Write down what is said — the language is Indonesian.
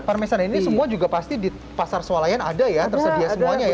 parmesan ini semua juga pasti di pasar sualayan ada ya tersedia semuanya ya